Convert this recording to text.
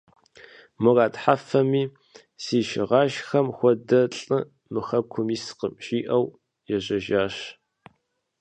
Мудар Хьэфэми: «Си шыгъашхэм хуэдэ лӀы мы хэкум искъым», – жиӀэу ежьэжащ.